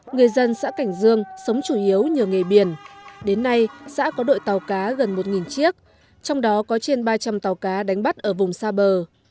người dân xã cảnh dương sống chủ yếu nhờ nghề biển đến nay xã có đội tàu cá gần một chiếc trong đó có trên ba trăm linh tàu cá đánh bắt ở vùng xa bờ